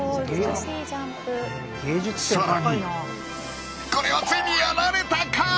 更にこれはついにやられたか？